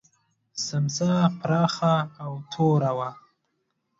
سمڅه پراخه او توره وه.